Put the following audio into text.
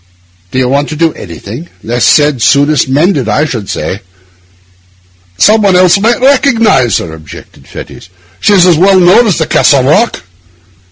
'Do you want to do anything? Least said soonest mended, I should say.' 'Some one else might recognise her,' objected Fettes. 'She was as well known as the Castle Rock.